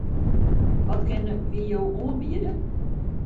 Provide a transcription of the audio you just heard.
Wat kinne wy jo oanbiede?